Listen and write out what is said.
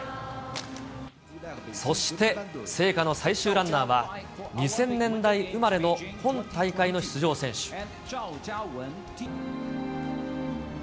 そして、聖火の最終ランナーは、２０００年代生まれの今大会の出場選手。